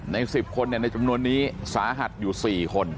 ใน๑๐คนในจำนวนนี้สาหัสอยู่๔คน